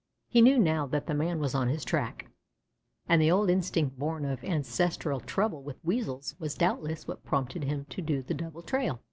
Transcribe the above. He knew now that the man was on his track, and the old instinct born of ancestral trouble with Weasels was doubtless what prompted him to do the double trail.